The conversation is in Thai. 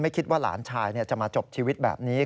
คิดว่าหลานชายจะมาจบชีวิตแบบนี้